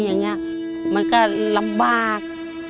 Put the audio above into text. มันก็ลำบาก